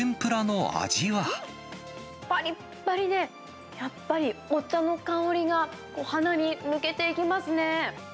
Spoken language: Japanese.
パリパリで、やっぱり、お茶の香りが鼻に抜けていきますね。